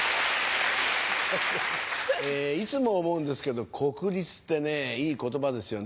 いつも思うんですけど国立っていい言葉ですよね。